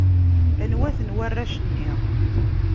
Anwa-ten warrac-nni?